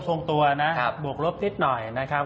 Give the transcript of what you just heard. ทรงตัวนะบวกลบนิดหน่อยนะครับ